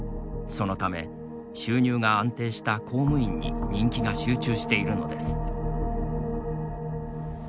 そのため収入が安定した公務員に人気が集中しているのです。